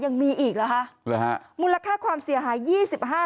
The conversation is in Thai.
ยังมีอีกเหรอคะหรือฮะมูลค่าความเสียหายยี่สิบห้า